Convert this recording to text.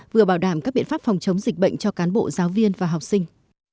vừa bảo đảm các biện pháp phòng chống dịch bệnh cho cán bộ giáo viên và học sinh